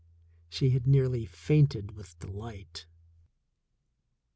She had nearly fainted with delight.